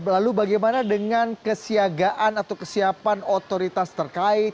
lalu bagaimana dengan kesiagaan atau kesiapan otoritas terkait